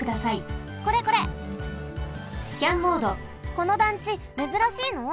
この団地めずらしいの？